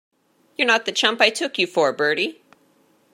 You're not the chump I took you for, Bertie.